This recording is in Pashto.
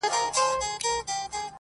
خدایه ما خپل وطن ته بوزې٫